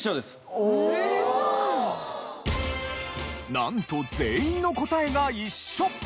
なんと全員の答えが一緒！